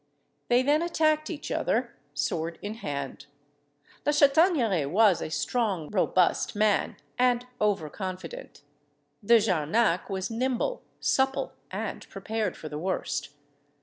They then attacked each other, sword in hand. La Chataigneraie was a strong robust man, and over confident; De Jarnac was nimble, supple, and prepared for the worst.